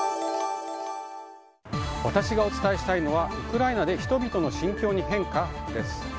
私がお伝えしたいのはウクライナで人々の心境に変化です。